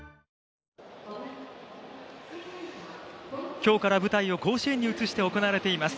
今日から舞台を甲子園に移して行われています